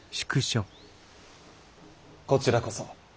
こちらこそ。